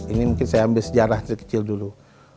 ini mungkin saya ambil sejarah dari kecil dulu